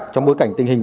trong bối cảnh tình hình